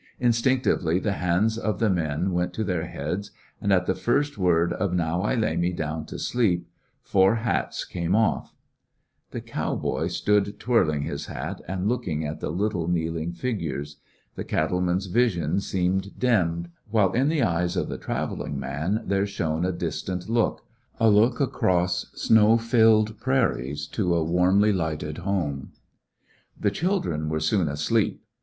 Instinctively the hands of the men went to their heads, and at the first words of "Now I lay me down to sleep/' four hats came off. 177 IflecoClections of a The cow boy stood twirling his hat and look ing at the little kneeling figures ; the cattle man's vision seemed dimmed ; while in the eyes of the travelling man there shone a dis tant look— a look across snow filled prairies to a warmly lighted home. The children were soon asleep.